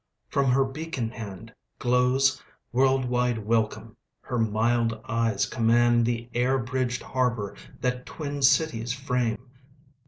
From her beacon handGlows world wide welcome; her mild eyes commandThe air bridged harbour that twin cities frame.